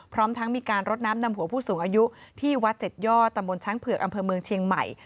พร้อมทั้งมีการรดน้ำนำหัวผู้สูงอายุที่วัดเจ็ดย่อตำบลช้างเผือกอำเภอเมืองเชียงใหม่